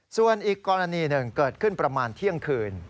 ส่วนอีกกรณีหนึ่งเกิดขึ้นประมาณเที่ยงคืน